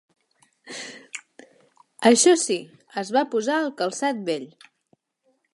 Això sí, es va posar el calçat vell.